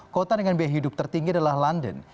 kota dengan biaya hidup tertinggi adalah london